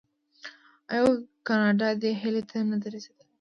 آیا او کاناډا دې هیلې ته نه ده رسیدلې؟